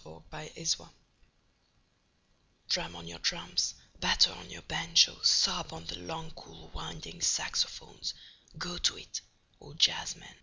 Jazz Fantasia DRUM on your drums, batter on your banjoes, sob on the long cool winding saxophones. Go to it, O jazzmen.